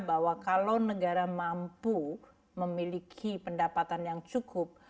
bahwa kalau negara mampu memiliki pendapatan yang cukup